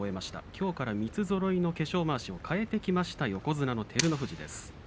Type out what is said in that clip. きょうから三つぞろいの化粧まわしを替えてきました横綱の照ノ富士です。